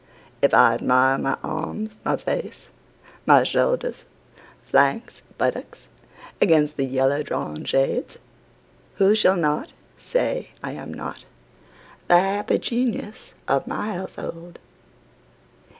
If I admire my arms, my face, my shoulders, flanks, buttocks against the yellow drawn shades, Who shall say I am not the happy genius of my household?